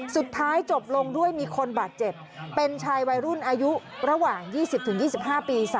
สุดท้ายจบลงด้วยมีคนบาดเจ็บเป็นชายวัยรุ่นอายุระหว่าง๒๐๒๕ปี